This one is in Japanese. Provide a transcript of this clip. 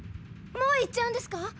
もう行っちゃうんですか。